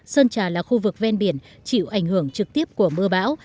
sơn trà là khu vực ven biển chịu ảnh hưởng trực tiếp của mưa bão